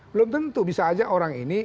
belum tentu bisa saja orang ini